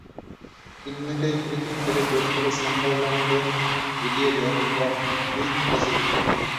তিন মিনিটেই ফ্রি-কিক থেকে গোল করে সান্ডারল্যান্ডকে এগিয়ে দেন ওয়াহবি খাজরি।